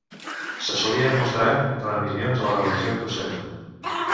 Se solien mostrar reemissions a la televisió escocesa.